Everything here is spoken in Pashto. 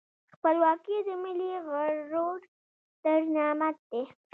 خپلواکي د ملي غرور ستر نعمت دی.